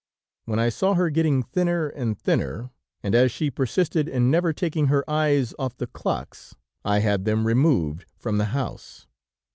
When I saw her getting thinner and thinner, and as she persisted in never taking her eyes off the clocks, I had them removed from the house.